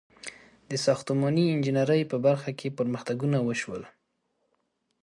• د ساختماني انجینرۍ په برخه کې پرمختګونه وشول.